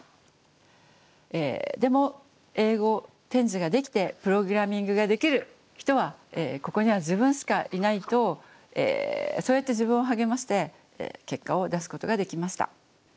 でも英語点字ができてプログラミングができる人はここには自分しかいないとそうやって自分を励まして結果を出すことができました。